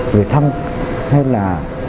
người thân hay là